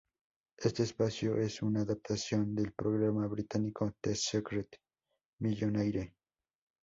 Este espacio es una adaptación del programa británico "The secret millionaire".